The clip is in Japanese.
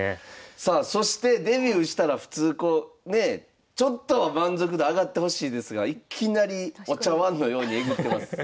さあそしてデビューしたら普通こうねちょっとは満足度上がってほしいですがいきなりお茶わんのようにえぐってます。